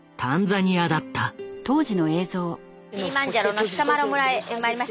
キリマンジャロのシサ・マロ村へ参りました。